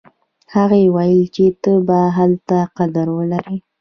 هغې ویل چې ته به هلته قدر ولرې